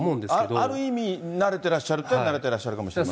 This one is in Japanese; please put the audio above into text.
ある意味、慣れてらっしゃるといえば慣れてらっしゃるかもしれません。